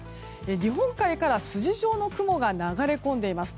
日本海から筋状の雲が流れ込んでいます。